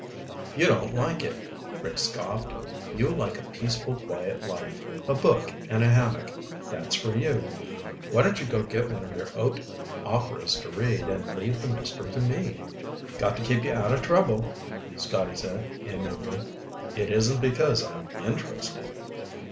"You don't like it," Rick scoffed. "You like a peaceful, quiet life. A book and a hammock. That's for you. Why don't you go get one of your Oat Operas to read and leave the mystery to me?" "Got to keep you out of trouble," Scotty said amiably. "It isn't because I'm interested."